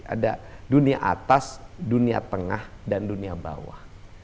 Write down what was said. ada dunia atas dunia tengah dan dunia bawah